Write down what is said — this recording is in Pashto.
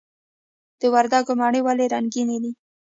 د وردګو مڼې ولې رنګینې دي؟